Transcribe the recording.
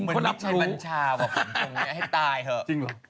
เหมือนว่าไม่ใช่บรรชาบอกผมงานนี้ให้ตายเหอะ